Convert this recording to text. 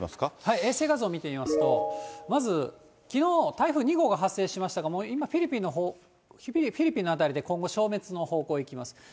衛星画像を見てみますと、まずきのう、台風２号が発生しましたが、今フィリピンのほう、フィリピンの辺りで今後、消滅の後方にいきます。